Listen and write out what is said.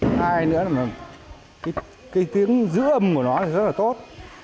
thứ hai nữa là cái tiếng dư âm của nó rất là tốt